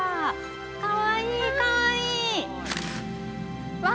かわいい、かわいい。